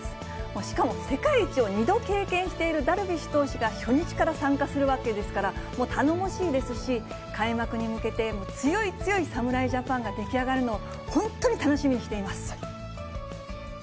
しかも世界一を２度経験しているダルビッシュ投手が初日から参加するわけですから、頼もしいですし、開幕に向けて、強い強い侍ジャパンが出来上がるのを本当に楽しみにしています。